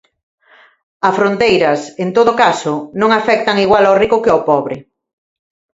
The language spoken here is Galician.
A fronteiras, en todo caso, non afectan igual ao rico que ao pobre.